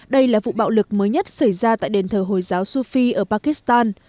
đây là vụ bạo lực mới nhất xảy ra tại đền thờ hồi giáo sofi ở pakistan